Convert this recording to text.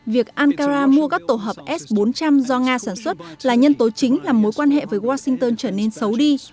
việc ankara mua các tổ hợp s bốn trăm linh do nga sản xuất là nhân tố chính làm mối quan hệ với washington trở nên xấu đi